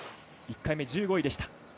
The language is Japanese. １回目１５位でした。